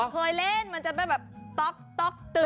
เคยเล่นมันจะเป็นแบบต๊อกตึก